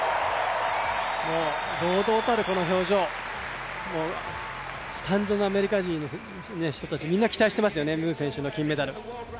もう堂々たるこの表情、スタンドのアメリカの人たちみんな期待していますよね、ムー選手の金メダル。